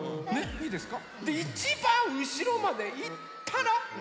いいですか？